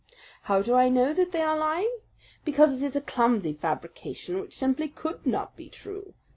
"How do I know that they are lying? Because it is a clumsy fabrication which simply could not be true.